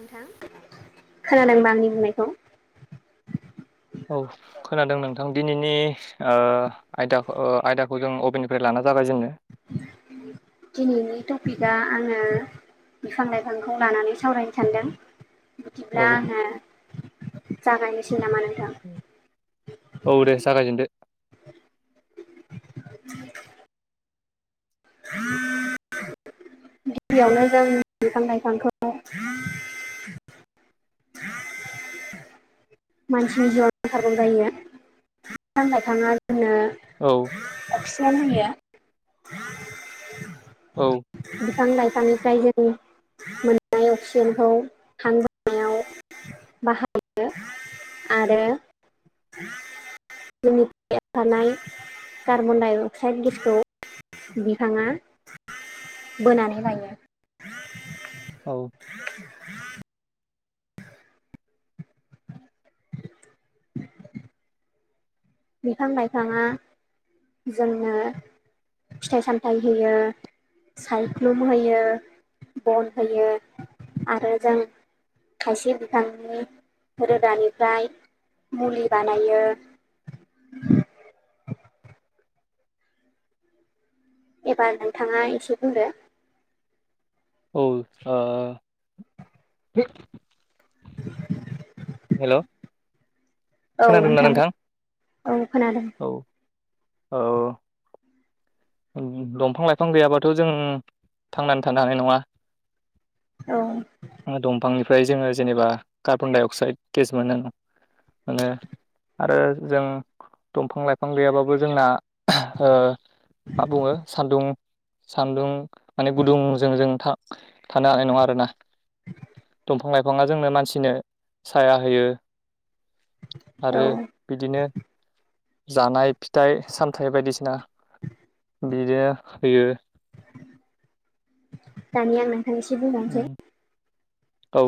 नोंथां खोनादोंबा आंनि बुंनायखौ औ खोनादों नोंथां दिनैनि आयदाखौ आयदाखौ जों अबेननिफ्राय लानानै ना ज थाखायाय जोंनो दिनैनि टपिकआ आङो बिफां लाइफांखौ लानानै सावरायनो सानदों बिदिब्ला औ आङो जागायनो औ दे जागायजेनदो [unintelligible] [unintelligible] गिबियावनो जों बिफां लाइफांखौ [inaudible] मानसिनि जिउआव नांथारगौ जायो मानो होमबा थाङा होननो औ अपसन होयो औ बिफां लाइफांनिफ्राय जों मोननाय अक्सिजेनखौ थानबोनायाव बाहायो आरो जोंनिथिं थानाय कार्बनडाइ अक्साइड गेसखौ बिफाङा बोनानै लायो औ [unintelligible] बिफां लाइफाङा जोंनो फिथाइ सामथायाइ होयो सायख्लुम होयो बन होयो आरो जों खायसे बिफांनि रोदानिफ्राय मुलि बानायो [unintelligible] एबार नोंथाङा एसे बुंदो औ ओ [unintelligible] [unintelligible] हेल' खोनादोंना नोंथां? औ खोनादों औ औ दंफां लाइफां गैयाबाथ' जों थांनानै थानो हानाय नङा औ ओमफ्राय जोंङो जेनेबा कार्बन डाइ अक्साइड गेस मोनो माने आरो जों दंफां लाइफां गैयाबाबो जोंना ओ मा बुङो सान्दुं सान्दुं माने गुदुंजों जों था थानो हानाय नङा आरोना [unintelligible] फां लाइफाङा जोंनो मानसिनो साया होयो। आरो औ बिदिनो जानाय फिथाइ सामथाइ बायदिसिना बियो होयो दानिया नोंथां आं एसे बुंबावनोसै औ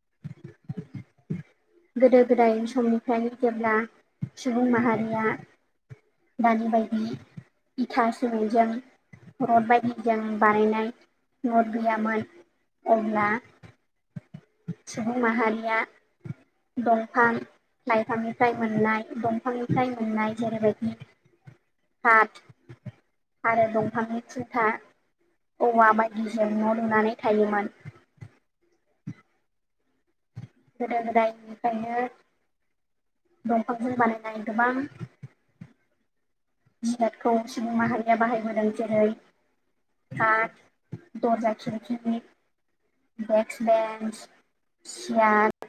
[inaudible] गोदो गोदाय समनिफ्रायनो जेब्ला सुबुं माहारिया दानि बायदि इथास होनायजों रड बायदि जों बानायनाय नद गैयामोन अब्ला सुबुं माहारिया दंफां लाइफांनिफ्राय मोननाय दंफांनिफ्राय मोननाय जेरैबायदि खाथ आरो दंफांनि थिन्था औवा बायदिजों न' लुनानै थायोमोन गोदो गोदयनिफ्रायनो दंफांखौनो बानायनाय गोबां जुनादखौ सुबुं माहारिया बाहायबोदों जेरै आ दन [unintelligible] देक्स बेन्स सियार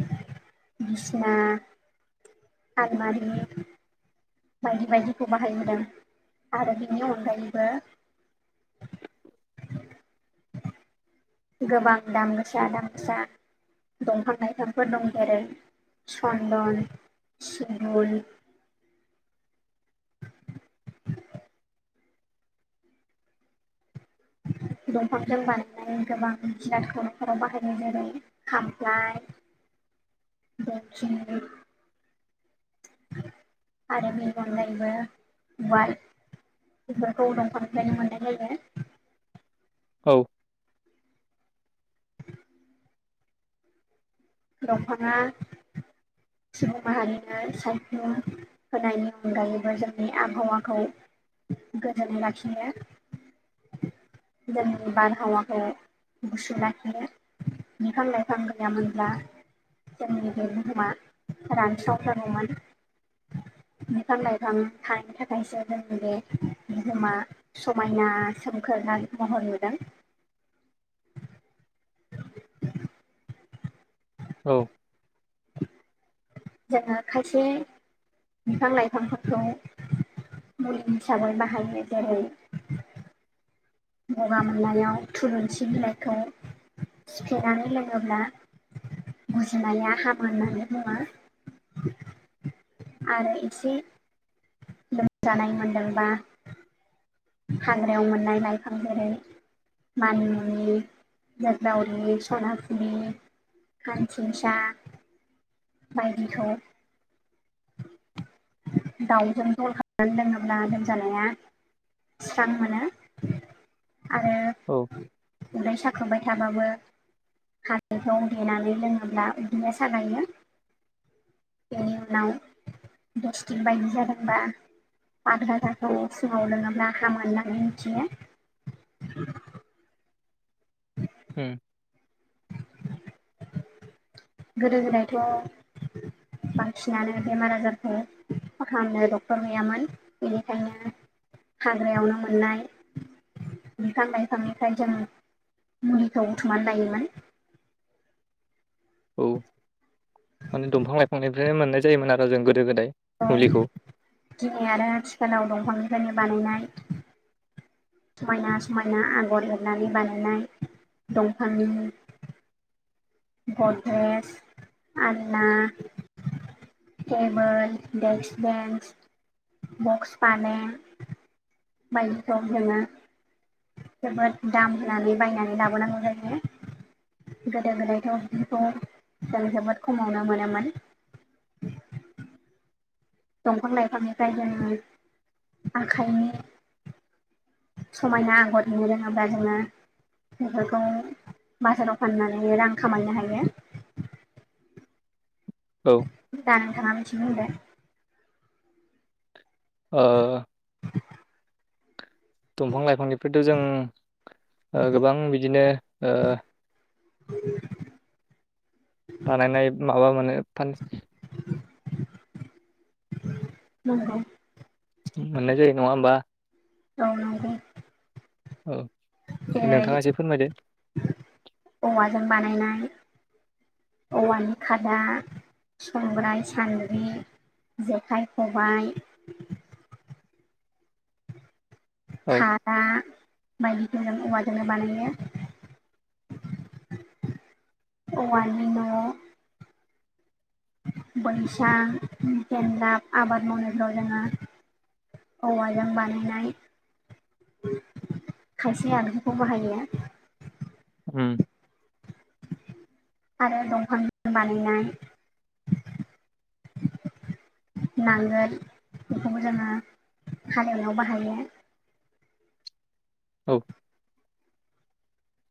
बिसना आलमारि बायदि बायदिखौ बाहायबोदों आरो बेनि अनगायैबो [inaudible] गोबां दामसा दामसा दंफां लाइफांफोर दं जेरै सन्दन सिबल [inaudible] [inaudible] दंफांजों बानायनानै गोबां जिरादखौर'खाव बाहायो जेरै खामफ्लाय [inaudible] [inaudible] आरो बेनि अनगायैबो वाल बेखौ दंफायनो मोननाय जाय औ दंफाङा सुबुं माहारिनो सायखुन होनायनि अनगायैबो जोंनि आबहावाखौ गोजोन लाखिनो जों बारहावाखौ गुसु लाखिनो बिफां लाइफां गैयामोनब्ला जोंनि बे बुहुमा रानस्रावथारोमोन। [inaudible] बिफां लाइफां थानायनि थाखायसो जोंनि बे बिहोमा समायना सोमखोर रायजोफोरा होनहैबाय। [inaudible] औ जोङो खायसे बिफां लाइफांफोरखौ [inaudible] बाहायनाय जादों। गगा मोननायाव थुलुंसि बिलाइखौ सिफ्लेनानै लोङोब्ला गुजुनाया हामो होननानै बुङो। आरो एसे लोमजानाय मोनदोंबा हाग्रायाव मोननाय लाइफां जेरै मानिमुनि, जोग्लावरि, सनाफुलि खान्सिंसा बायदिखौ [inaudible] दाउजों जल खालामनानै लोङोब्ला लोमजानाया स्रां मोनो आरो औ उदै सा खांबाय थानायाबो हालदैखौ देनानै लोङोब्ला इदिनो सागायोनो। बेनि उनाव दस दिन बायदि जादोंबा आद्रा थाखखौ फुङाव लोङोब्ला हामो होननानै मिथियो। [inaudible] ओ [inaudible] गोदो गोदायथ' बांसिनानो बेमार आजारखौ फथामनो डक्टर गैयामोन बेनिखायनो हाग्रायावनो मोननाय बिफां लाइफांनिफ्राय जों मुलिखौ उथुमनानै लायोमोन। औ माने दंफां लाइफांनिफ्रायनो मोननाय जायोमोन आरो जों गोदो गोदाय। ओ मुलिखौ दिनै आरो आथिखालाव दंफांनिफ्रायनो बानायनाय समायना समायना आगर एरनानै बानायनाय दंफांनि ग्रद्रेस, आलना टेबोल, डेक्स, बेन्स, बक्स फालें बायदिखौ जोङो जोबोद दाम होनानै बायनानै लाबोनांगौ जायो। गोदो गोदायथाव बिखौ जों जोबोद खमावनो मोनोमोन। [inaudible] दंफां लाइफांनि फ्राय जों आखाइनि समायना आगर हेबनो रोङोब्ला जोङो बेफोरखौ बाजाराव फाननानै रां खामायनो हायो। [inaudible] औ दा नोंथाङा मोनसे बुंदो। ओ दंफां लाइफांनिफ्रायथ' जों ओ गोबां बिदिनो ओ बानायनाय माबा मोनो फान - नंगौ मोननाय जायो नङा होमबा? औ नुदों औ दे नोंथाङा एसे फोरमायदो जेरै औवाजों बानायनाय [inaudible] औवानि खादा संग्राय सान्द्रि जेखाइ खबाय औ खादा बायदिजों जों औवाजोंनो बानायो औवानि न' बैसां [unintelligible] आबाद मावनायफ्राव जोङो औवाजों बानायनाय खायसे आगजुखौ बाहायो। उम आरो दंफांजों बानायनाय [inaudible] नांगोल बेखौबो जोङो हालेवनायाव बाहायो। औ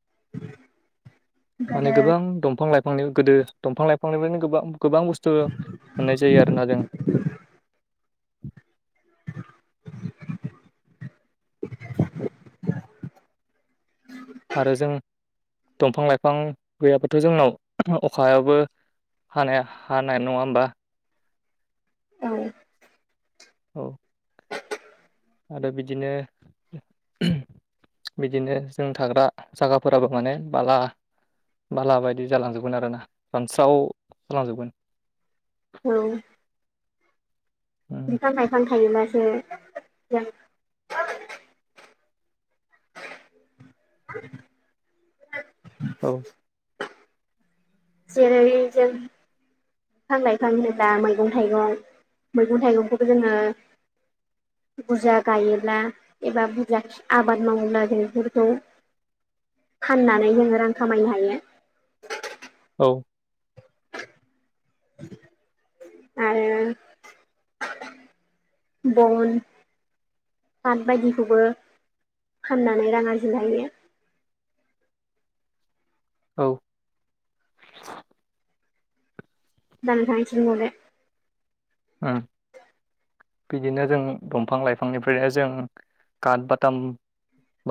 [inaudible] माने गोदो गोबां दंफां लाइफांनि गोदो दंफां लाइफांनिफ्रायनो गोबां गोबां बुस्थु मोननाय जायो आरोना जों आरो जों दंफां लाइफां गैयाबथ' जोंनाव अखाबो हानाया हानाय नङा होमबा औ औ आरो बिदिनो बिदिनो जों थाग्रा जायगाफोराबो माने बाला बाला बायदि जालांजोबगोन आरोना सानस्राव जाजोबगोन औ उम, बिफां लाइफां थायोबासो जों [inaudible] औ जेरै जों बिफां लाइफां होनोब्ला मैगं थाइगं मैगं थाइगंखौबो जोङो बुरजा गायोब्ला एबा बुरजा आबाद मावोब्ला जों बेफोरखौ [inaudible] फाननानै जोङो रां खामायनो हायो औ आरो बन कार्ट बायदिखौबो फाननानै रां आरजि हायो औ [unintelligible] उम बिदिनो जों दंफां लाइफांनिफ्रायनो जों काथ बाथाम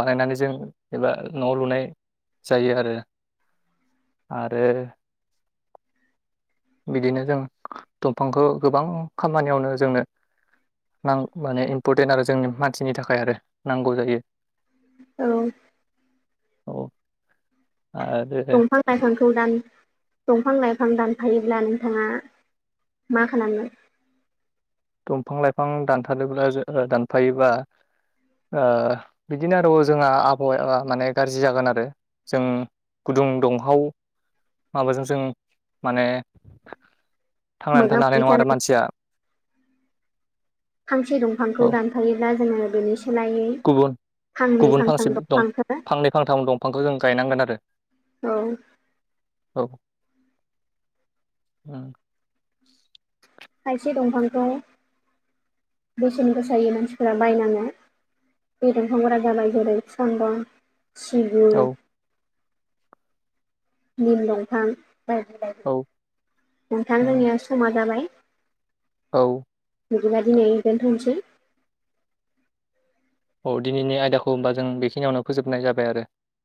बानायनानै जों एबा न'आव लुनाय जायो आरो आरो बिदिनो जों दंफांखौ गोबां खामानियावनो जोंनो नां माने इम्परटेन्ट आरो जोंनि मानसिनि थाखाय आरो नांगौ जायो औ औ आरो दंफां लाइफांखौ दान दंफां लाइफां दानफायोब्ला नोंथाङा मा खालागोन? दंफां लाइफां दानथारोब्ला दानफायोबा। ओ बिदिनो आरो जोंहा आबहावायााया माने गाज्रि जागोन आरो जों गुदुं दंहाव माबाजों जों माने थांनानै मोगा थानो हानाय मोगि नङा आरो जानानै मानसिया। फांसे दंफांखौ औ दानफायोब्ला जोङो बेनि सोलायै गुबुन फांनै गुबुन फांसे फांथाम दं दंफांफोर फांनै फांथाम दंफांखौ जों गायनांगोन आरो औ औ उम खायसे दंफांखौ बेसेन गोसायै मानसिफोरा बायनाङो बे दंफांफ्रा जाबाय जेरै सान्द, औ सिगुन निल दंफां बायदि बायदि औ नोंथां उम जोंनिया समा जाबाय। औ बिदिबा दिनै दोनथ'सै। औ दिनैनि आयदाखौ होमबा जों बेखिनियावनो फोजोबनाय जाबाय आरो।